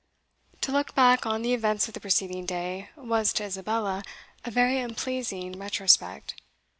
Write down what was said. To look back on the events of the preceding day, was, to Isabella, a very unpleasing retrospect.